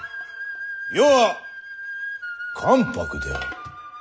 余は関白である。